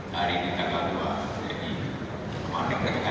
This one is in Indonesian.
hari ini tanggal dua jadi kemarin ketika tiga